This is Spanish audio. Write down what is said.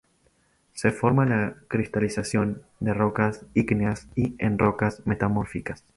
Se forma en la cristalización de rocas ígneas y en rocas metamórficas.